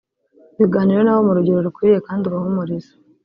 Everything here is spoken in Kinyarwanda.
biganireho nabo mu rugero rukwiriye kandi ubahumurize